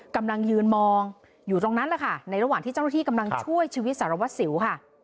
กำลังยืนมองอยู่ตรงนั้นแหละค่ะในระหว่างที่เจ้าหน้าที่กำลังช่วยชีวิตสารวัสสิวค่ะ